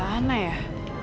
aku mau pergi ke rumah